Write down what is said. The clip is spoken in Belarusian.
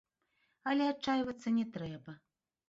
Але адчайвацца не трэба.